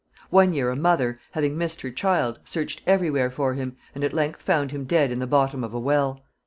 One year a mother, having missed her child, searched every where for him, and at length found him dead in the bottom of a well.